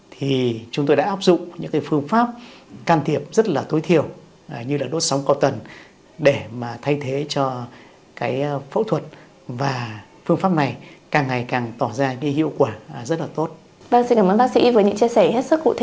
thì chúng tôi đã áp dụng những phương pháp can thiệp rất là nhanh và hợp lý cho bệnh viện tâm anh